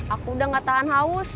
aku udah gak tahan haus